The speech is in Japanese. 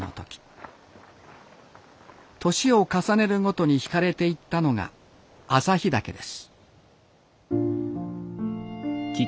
年を重ねるごとに惹かれていったのが朝日岳です。